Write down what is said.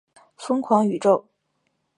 疯狂宇宙